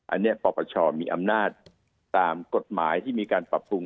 อันนี้ปปชมีอำนาจตามกฎหมายที่มีการปรับปรุง